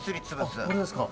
これですか？